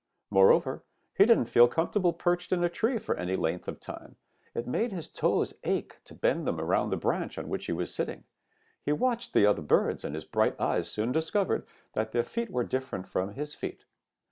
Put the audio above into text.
Moreover, he didn't feel comfortable perched in a tree for any length of time. It made his toes ache to bend them around the branch on which he was sitting. He watched the other birds, and his bright eyes soon discovered that their feet were different from his feet.